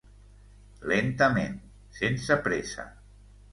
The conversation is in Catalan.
Lentament, sense pressa.